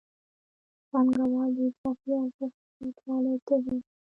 پانګوال د اضافي ارزښت د زیاتوالي تږی دی